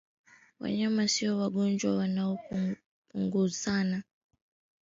Wanyama wasio wagonjwa wanapogusana na walioathirika wanapata viini vya ugonjwa huu